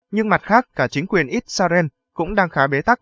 nhưng mặt khác cả chính quyền israel cũng đang khá bế tắc